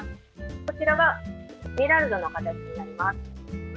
こちらがエメラルドの形になります。